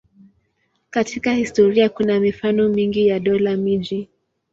Katika historia kuna mifano mingi ya dola-miji.